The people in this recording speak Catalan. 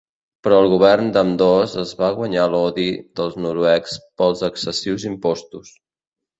Però el govern d'ambdós es va guanyar l'odi dels noruecs pels excessius impostos.